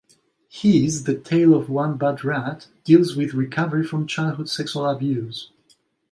His "The Tale of One Bad Rat" deals with recovery from childhood sexual abuse.